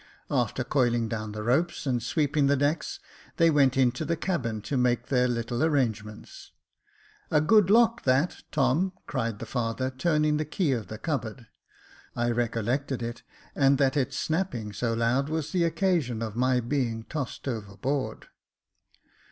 After coiling down the ropes, and sweeping the decks, they went into the cabin to make their little arrangements. " A good lock that, Tom," cried the father, turning the key of the cupboard. (I recollected it, and that its snap ping so loud was the occasion of my being tossed over Jacob Faithful ']'}, board.)